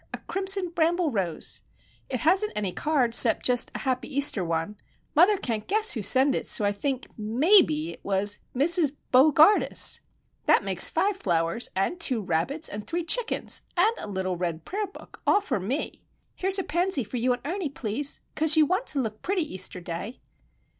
—a crimson bramble rose. It hasn't any card, 'cept just a happy Easter one. Mother can't guess who sent it, so I think maybe it was Mrs. Bo gardus! That makes five flowers, and two rabbits, and three chickens, and a little red prayer book, all for me! Here's a pansy for you and Ernie, please; 'cause you want to look pretty Easter day."